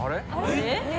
えっ？